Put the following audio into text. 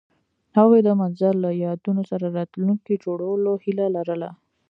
هغوی د منظر له یادونو سره راتلونکی جوړولو هیله لرله.